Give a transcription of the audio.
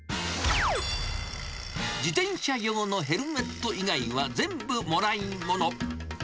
自転車用のヘルメット以外は全部もらい物。